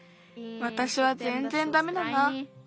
わたしはぜんぜんダメだな。